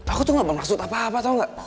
aku tuh gak mau ngasut apa apa tau gak